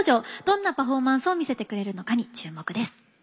どんな、パフォーマンスを見せてくれるのかに注目です。